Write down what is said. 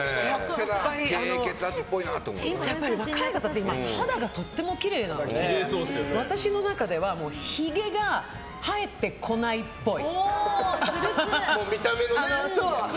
やっぱり若い方って肌がとてもきれいなので私の中ではひげが生えてこないっぽい。